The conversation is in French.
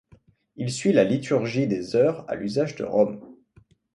Il suit la liturgie des Heures à l'usage de Rome.